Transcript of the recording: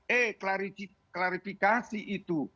eh klarifikasi itu